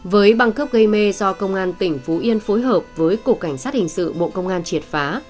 với băng cấp gây mê do công an tỉnh phú yên phối hợp với cục cảnh sát hình sự bộ công an triệt phá